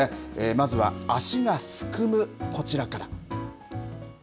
まずは、足がすくむこちらから。